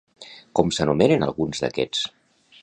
Com s'anomenen alguns d'aquests?